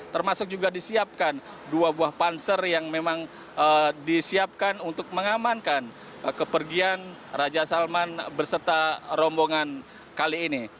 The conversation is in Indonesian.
termasuk juga disiapkan dua buah panser yang memang disiapkan untuk mengamankan kepergian raja salman berserta rombongan kali ini